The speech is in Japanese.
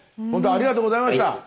ほんとありがとうございました。